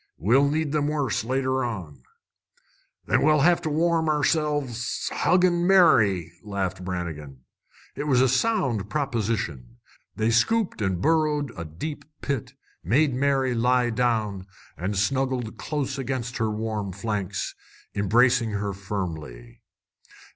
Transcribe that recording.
"We'll need 'em worse later on." "Then we'll have to warm ourselves huggin' Mary," laughed Brannigan. It was a sound proposition. They scooped and burrowed a deep pit, made Mary lie down, and snuggled close against her warm flanks, embracing her firmly.